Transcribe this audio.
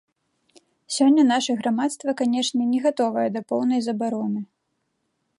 Сёння наша грамадства, канешне, не гатовае да поўнай забароны.